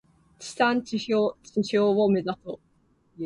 地産地消を目指そう。